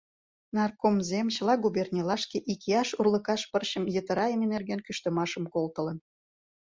Наркомзем чыла губернийлашке икияш урлыкаш пырчым йытырайыме нерген кӱштымашым колтылын.